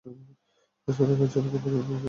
তাছাড়া, কাইযারকে অপছন্দ করি আমি।